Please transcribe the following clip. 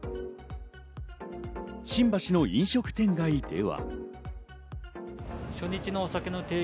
新橋の飲食店街では。